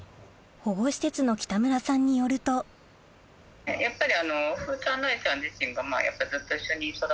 保護施設の北村さんによるとやっぱり。